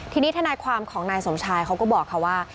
ทีนี้ทนายความของนายสมชายเขาก็บอกค่ะว่า